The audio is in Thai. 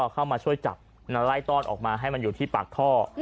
เข้ามาช่วยจับไล่ต้อนออกมาให้มันอยู่ที่ปากท่อ